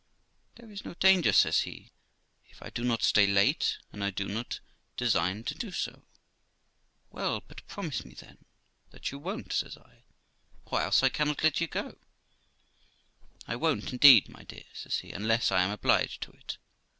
'There is no danger', says he, 'if I do not stay late, and I do not design to do so.' 'Well, but promise me, then, that you won't', says I, 'or else I cannot let you go.' *I won't indeed, my dear', says he, 'unless I am obliged to it.